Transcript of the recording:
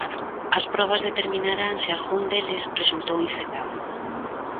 As probas determinarán se algún deles resultou infectado.